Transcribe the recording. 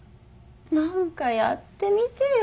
何かやってみてよ。